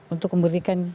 untuk memberikan jalan tol